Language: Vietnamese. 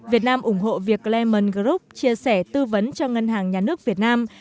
việt nam ủng hộ việc cleamon group chia sẻ tư vấn cho ngân hàng nhà nước việt nam